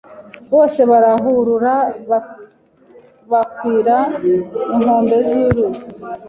bose barahurura bakwira inkombe z'uruzi